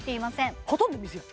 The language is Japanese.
ほとんど水やん！